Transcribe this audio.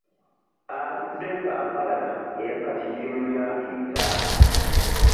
Aludde nga ampalana era kati giri mu myaka etaano.